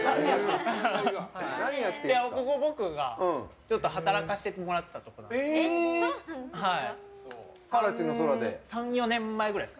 ここ、僕が働かせてもらってたところなんです。